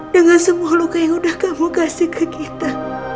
dengan semua luka yang sudah kamu kasih ke kita